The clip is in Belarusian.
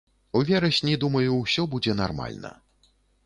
У верасні, думаю, усё будзе нармальна.